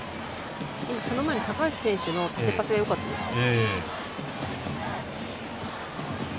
その前に高橋選手の縦パスがよかったですね。